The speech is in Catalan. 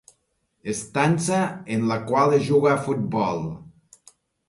Estança en la qual es juga a futbol.